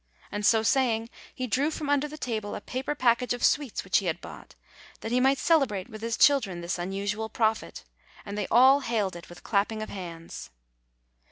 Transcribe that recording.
and so saying, he drew from under the table a paper package of sweets which he had bought, that he might celebrate with his children this unusual profit, and they all hailed it with clapping of hands.